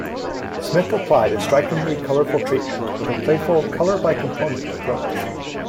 Smith applied a strikingly colourful treatment with a playful colour-by-component approach.